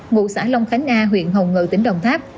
ngụ xã long khánh a huyện hồng ngự tỉnh đồng tháp